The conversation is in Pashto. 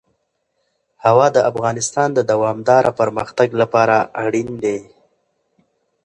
هوا د افغانستان د دوامداره پرمختګ لپاره اړین دي.